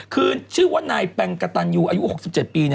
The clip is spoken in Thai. คือชื่อว่านายแปงกระตันยูอายุ๖๗ปี